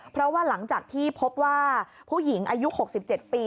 เพราะว่าหลังจากที่พบว่าผู้หญิงอายุ๖๗ปี